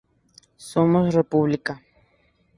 Somos República".